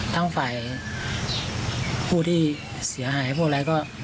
ทั้งฝ่ายผู้ที่เสียหายพวกอะไรก็